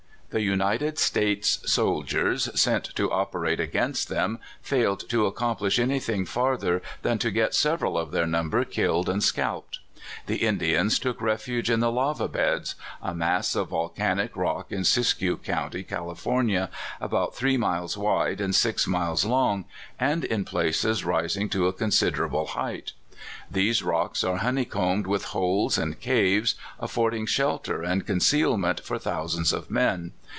The United States soldiers sent to operate against them fail^^d to accomplish any thing farther than to get several of their number killed and scalped. The Indians took refuge in the lava beds — a mass of volcanic rock in Siskiyou county, California, about three miles wide and six miles long, and in places rising to a considerable height. These rocks are honeys combed with holes and caves, affording shelter and concealment for thousands of men.